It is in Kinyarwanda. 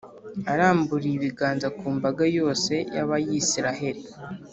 aramburiye ibiganza ku mbaga yose y’Abayisraheli,